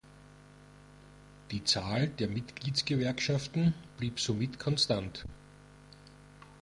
Die Zahl der Mitgliedsgewerkschaften blieb somit konstant.